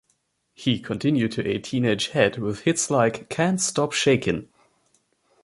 He continued to aid Teenage Head with hits like "Can't Stop Shakin'".